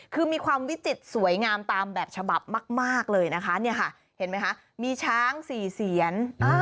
คือมีความวิจิตรสวยงามตามแบบฉบับมากเลยนะคะเนี่ยค่ะเห็นไหมคะมีช้างสี่เซียน